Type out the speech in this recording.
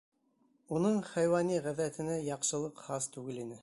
Уның хайуани ғәҙәтенә яҡшылыҡ хас түгел ине.